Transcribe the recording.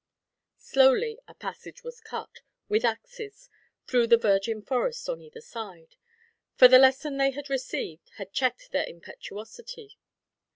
Slowly a passage was cut, with axes, through the virgin forest on either side; for the lesson they had received had checked their impetuosity.